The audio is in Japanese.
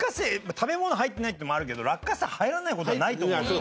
食べ物入ってないっていうのもあるけど落花生が入らない事はないと思うのよ。